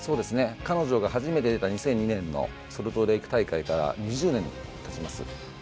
彼女が初めて出た２００２年のソルトレーク大会から２０年たちます。